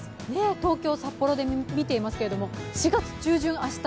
東京、札幌で見ていますけども、明日は４月中旬。